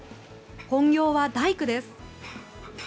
本業は大工です。